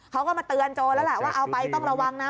เขาก็มาเตือนโจรแล้วแหละว่าเอาไปต้องระวังนะ